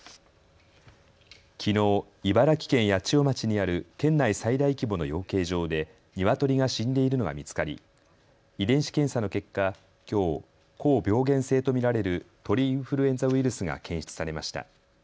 きのう茨城県八千代町にある県内最大規模の養鶏場でニワトリが死んでいるのが見つかり遺伝子検査の結果、きょう高病原性と見られる鳥インフルエンザウイルスが検出されました。